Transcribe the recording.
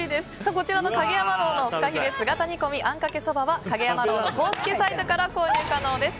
こちらの蔭山樓のフカヒレ姿煮込みあんかけそばは蔭山樓の公式サイトから購入可能です。